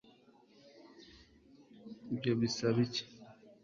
ibyo bisaba iki